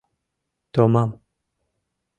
Томам.